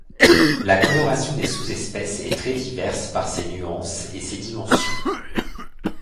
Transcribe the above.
La coloration des sous-espèces est très diverse par ses nuances et ses dimensions.